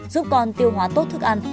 giúp con tiêu hóa tốt thức ăn